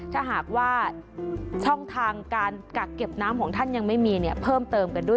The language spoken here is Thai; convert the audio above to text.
ถ้าหากว่าช่องทางการกักเก็บน้ำของท่านยังไม่มีเพิ่มเติมกันด้วย